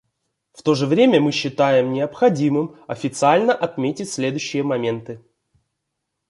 В то же время мы считаем необходимым официально отметить следующие моменты.